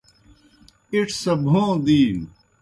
اِڇھ سہ بھوں دِینوْ۔